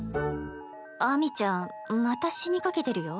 秋水ちゃんまた死にかけてるよ。